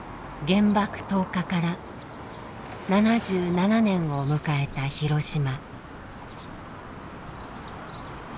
原爆投下から７７年を迎えた広島。